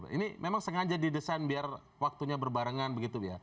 ini memang sengaja didesain biar waktunya berbarengan begitu ya